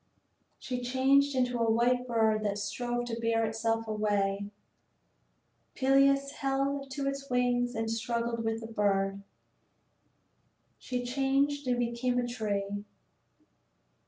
She changed into a white bird that strove to bear itself away. Peleus held to its wings and struggled with the bird. She changed and became a tree.